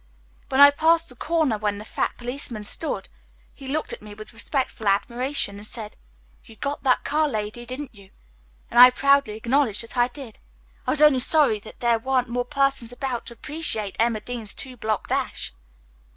"When I passed the corner where the fat policeman stood, he looked at me with respectful admiration, and said: 'You got that car, lady, didn't you?' and I proudly acknowledged that I did. I was only sorry that there weren't more persons about to appreciate Emma Dean's Two Block Dash."